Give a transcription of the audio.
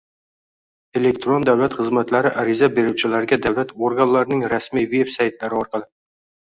Elektron davlat xizmatlari ariza beruvchilarga davlat organlarining rasmiy veb-saytlari orqali